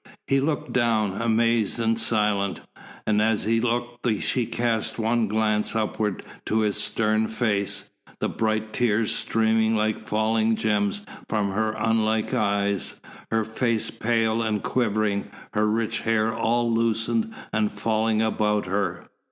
He looked down, amazed and silent, and as he looked she cast one glance upward to his stern face, the bright tears streaming like falling gems from her unlike eyes, her face pale and quivering, her rich hair all loosened and falling about her.